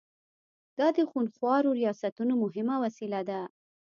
دا د خونخوارو ریاستونو مهمه وسیله ده.